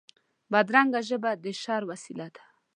بدرنګه ژبه د شر وسیله ده